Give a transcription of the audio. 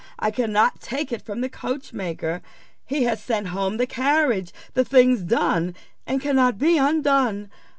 I cannot take it from the coachmaker; he has sent home the carriage: the thing's done, and cannot be undone.